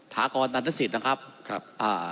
ถากรตันทศิษย์นะครับ